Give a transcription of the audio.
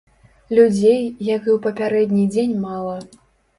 Людзей, як і ў папярэдні дзень мала.